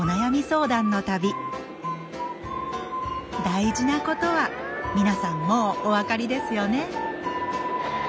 大事なことは皆さんもうお分かりですよね？